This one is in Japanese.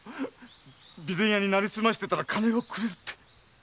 備前屋になりすましていたら金をくれるって。